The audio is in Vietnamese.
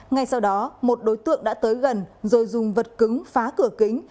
ngay sau đó một đối tượng đã tới gần rồi dùng vật cứng phá cửa kính